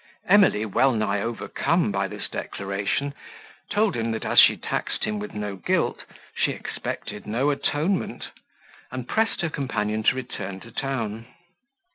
Emily, well nigh overcome by this declaration, told him, that as she taxed him with no guilt, she expected no atonement, and pressed her companion to return to town.